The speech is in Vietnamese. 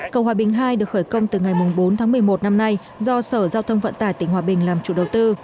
cầu hòa bình ii được khởi công từ ngày bốn tháng một mươi một năm nay do sở giao thông vận tải tỉnh hòa bình làm chủ đầu tư